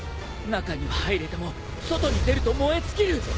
中には入れても外に出ると燃え尽きる。